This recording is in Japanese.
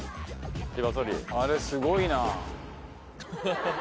あれすごいな。